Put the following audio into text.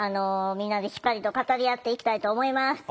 みんなでしっかりと語り合っていきたいと思います。